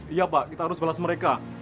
iya pak kita harus balas mereka